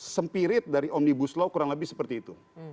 spirit dari omnibus law kurang lebih seperti itu